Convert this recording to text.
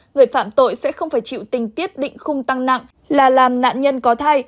người phạm tội sẽ không phải chịu tình tiết định khung tăng nặng là làm nạn nhân có thai